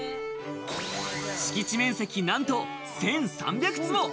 敷地面積、何と１３００坪。